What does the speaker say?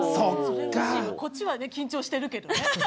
こっちは緊張してるけどね。